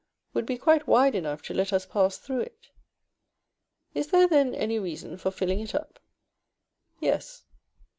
would be quite wide enough to let us pass through it. Is there then any reason for filling it up? Yes.